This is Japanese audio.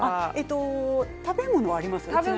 食べ物はありますか？